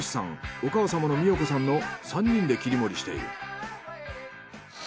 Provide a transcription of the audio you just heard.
お母様の美代子さんの３人で切り盛りしている。